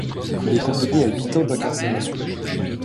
Il est condamné à huit ans d'incarcération.